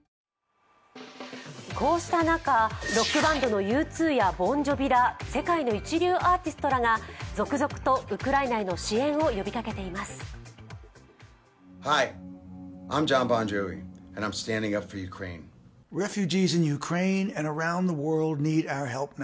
こうした中、ロックバンドのＵ２やボン・ジョヴィら世界の一流アーティストらが続々とウクライナへの支援を呼びかけています。